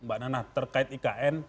mbak nana terkait ikn